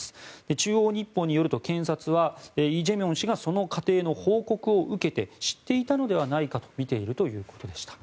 中央日報によると検察はイ・ジェミョン氏がその過程の報告を受けて知っていたのではないかとみているということでした。